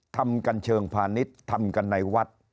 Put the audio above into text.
ทำกันเชิงพาณิชย์ทำกันในวัด